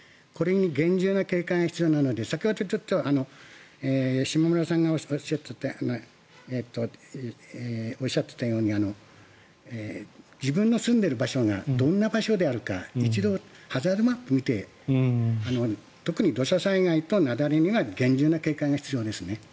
これに厳重な警戒が必要なので先ほど島村さんがおっしゃっていたように自分の住んでいる場所がどんな場所であるか一度ハザードマップを見て特に土砂災害と雪崩には厳重な警戒が必要ですね。